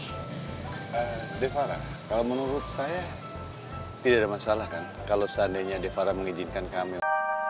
devara kalau menurut saya tidak ada masalah kan kalau seandainya devara mengizinkan kamil